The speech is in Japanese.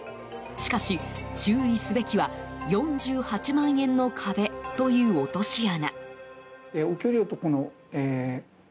しかし、注意すべきは４８万円の壁という落とし穴。